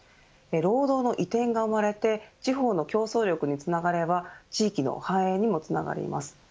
労働の移転が生まれて地方の競争力につながれば地域の繁栄にもつながります。